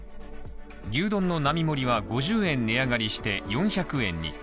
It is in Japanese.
牛丼の並盛は５０円値上がりして４００円に。